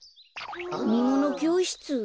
あみものきょうしつ？